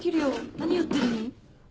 何やってんの？